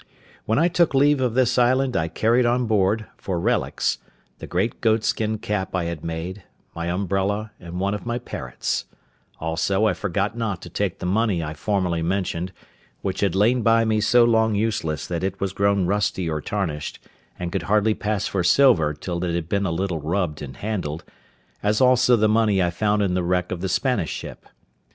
When I took leave of this island, I carried on board, for relics, the great goat skin cap I had made, my umbrella, and one of my parrots; also, I forgot not to take the money I formerly mentioned, which had lain by me so long useless that it was grown rusty or tarnished, and could hardly pass for silver till it had been a little rubbed and handled, as also the money I found in the wreck of the Spanish ship.